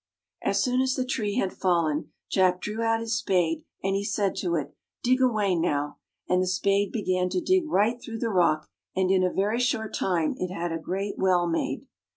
As soon as the tree had fallen. Jack drew out his Spade, and he said to it, " Dig away, now," and the Spade began to dig right through the rock, and in a very short time it had a great well made.